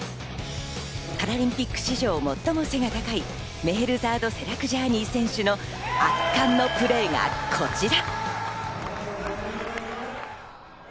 パラリンピック史上最も背が高いメヘルザードセラクジャーニー選手の圧巻のプレーがこちら。